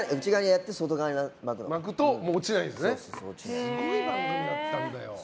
すごい番組だったんだよ。